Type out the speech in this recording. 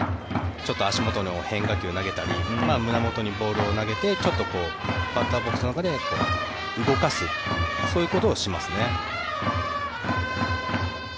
ちょっと足元の変化球を投げたり胸元にボールを投げてバッターボックスの中で動かすというそういうことをしますね。